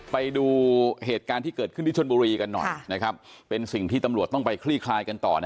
ไปดูเหตุการณ์ที่เกิดขึ้นที่ชนบุรีกันหน่อยนะครับเป็นสิ่งที่ตำรวจต้องไปคลี่คลายกันต่อนะ